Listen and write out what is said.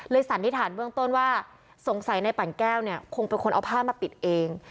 สันนิษฐานเบื้องต้นว่าสงสัยในปั่นแก้วเนี่ยคงเป็นคนเอาผ้ามาปิดเอง